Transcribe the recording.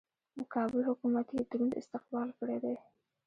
د کابل حکومت یې دروند استقبال کړی دی.